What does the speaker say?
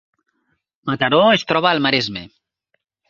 Mataró es troba al Maresme